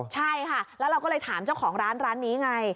ใช่ค่ะแล้วเราก็เลยถามเจ้าของร้านร้านนี้ไง